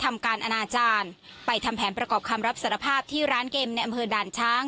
ทำการอนาจารย์ไปทำแผนประกอบคำรับสารภาพที่ร้านเกมในอำเภอด่านช้าง